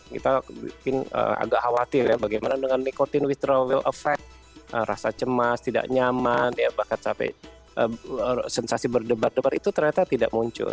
kita mungkin agak khawatir ya bagaimana dengan nikotin withdrawal effect rasa cemas tidak nyaman ya bahkan sampai sensasi berdebar debar itu ternyata tidak muncul